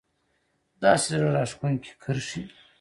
داسې زړه راښکونکې کرښې